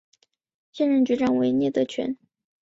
现任局长为聂德权。